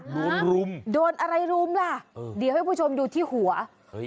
หลุมโดนอะไรหลุมล่ะเดี๋ยวให้ผู้ชมดูที่หัวกัน